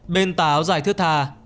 bên tà áo dài thước thà